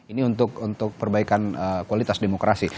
ini untuk perbaikan kualitas demokrasi